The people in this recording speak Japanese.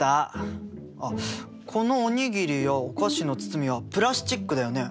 あこのお握りやお菓子の包みはプラスチックだよね。